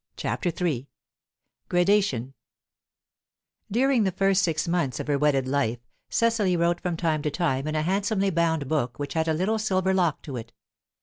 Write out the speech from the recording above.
CHAPTER III GRADATION During the first six months of her wedded life, Cecily wrote from time to time in a handsomely bound book which had a little silver lock to it.